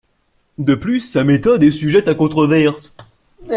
De plus sa méthode est sujette à controverses.